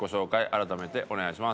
改めてお願いします。